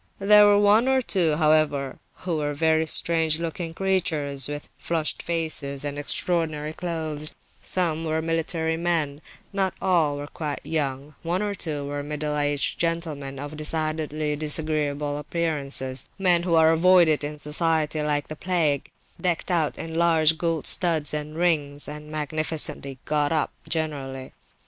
There were one or two, however, who were very strange looking creatures, with flushed faces and extraordinary clothes; some were military men; not all were quite young; one or two were middle aged gentlemen of decidedly disagreeable appearance, men who are avoided in society like the plague, decked out in large gold studs and rings, and magnificently "got up," generally.